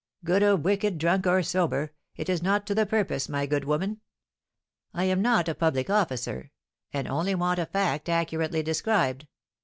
"Good or wicked, drunk or sober, it is not to the purpose, my good woman. I am not a public officer, and only want a fact accurately described.